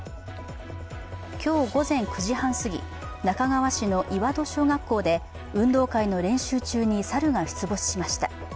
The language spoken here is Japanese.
今日午前９時半すぎ、那珂川市の岩戸小学校で運動会の練習中に猿が出没しました。